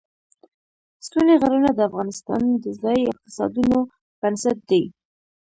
ستوني غرونه د افغانستان د ځایي اقتصادونو بنسټ دی.